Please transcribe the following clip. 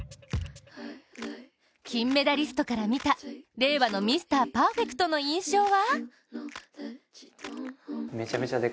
金メダリストから見た令和のミスターパーフェクトの印象は？